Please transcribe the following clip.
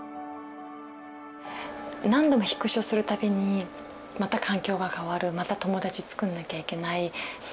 何度も引っ越しをする度にまた環境が変わるまた友達つくんなきゃいけない。